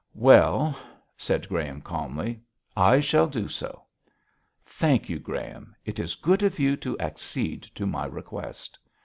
'Well,' said Graham, calmly, 'I shall do so.' 'Thank you, Graham. It is good of you to accede to my request.'